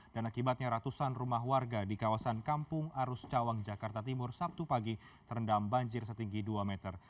dan akibatnya ratusan rumah warga di kawasan kampung arus cawang jakarta timur sabtu pagi terendam banjir setinggi dua meter